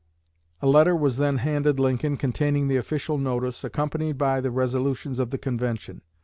A letter was then handed Lincoln containing the official notice, accompanied by the resolutions of the convention.